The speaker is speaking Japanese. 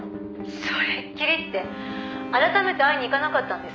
「それきりって改めて会いに行かなかったんですか？」